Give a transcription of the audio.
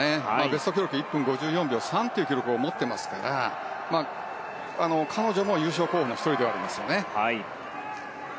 ベスト記録１分５４秒３という記録を持っていますから彼女も優勝候補の１人でもあります。